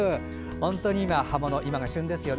本当に今、葉物が旬ですよね。